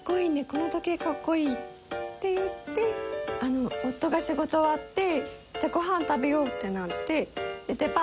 この時計格好いい！」って言って夫が仕事終わってごはん食べようってなって。